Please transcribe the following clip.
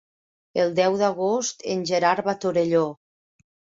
El deu d'agost en Gerard va a Torelló.